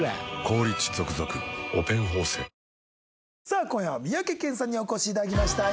さあ今夜は三宅健さんにお越し頂きました。